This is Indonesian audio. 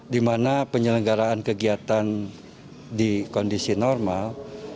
di mana penyelenggaraan kegiatan di kondisi normal